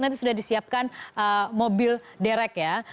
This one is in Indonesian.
nanti sudah disiapkan mobil derek ya